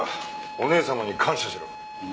お義姉様に感謝しろ。